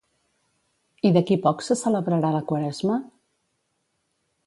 I d'aquí poc se celebrarà la Quaresma?